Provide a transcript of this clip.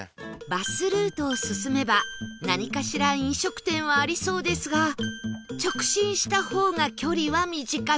バスルートを進めば何かしら飲食店はありそうですが直進した方が距離は短そう